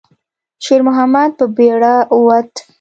شېرمحمد په بیړه ووت.